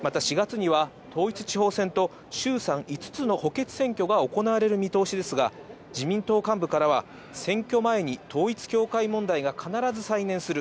４月には統一地方選と衆参５つの補欠選挙が行われる見通しですが、自民党幹部からは、選挙前に統一教会問題が必ず再燃する。